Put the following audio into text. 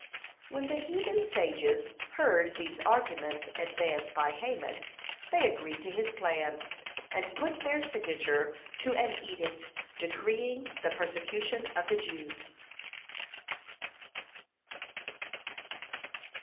When the heathen sages heard these arguments advance by Haman, they agreed to his plan, and put their signature to an edict decreeing the persecution of the Jews.